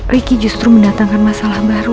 ricky justru mendatangkan masalah baru